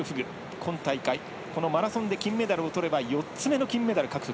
今大会マラソンで金メダルを取れば４つ目の金メダル獲得。